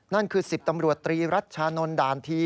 นั่นคือ๑๐ตำรวจตรีรัชชานนท์ด่านที